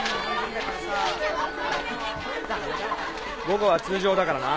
午後は通常だからな。